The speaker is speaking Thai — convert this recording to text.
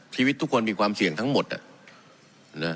ชีวิตทุกคนมีความเสี่ยงทั้งหมด